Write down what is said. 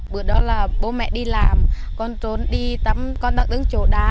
bữa đó là bố mẹ đi làm con trốn đi tắm con đang đứng chỗ đá